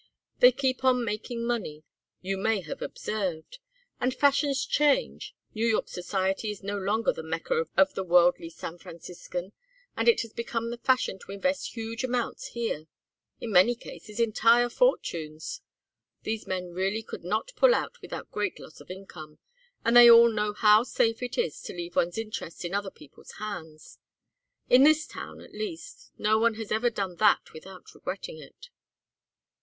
They keep on making money, you may have observed. And fashions change. New York Society is no longer the Mecca of the worldly San Franciscan, and it has also become the fashion to invest huge amounts here; in many cases, entire fortunes. These men really could not pull out without great loss of income, and they all know how safe it is to leave one's interests in other people's hands. In this town, at least, no one has ever done that without regretting it."